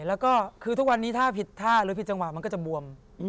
แล้วก็คือทุกวันนี้ถ้าผิดท่าหรือผิดจังหวะมันก็จะบวม